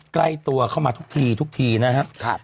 ใกล้ตัวเข้ามาทุกทีทุกทีนะครับ